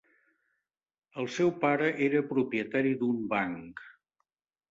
El seu pare era propietari d'un banc.